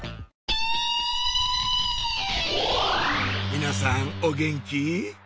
皆さんお元気？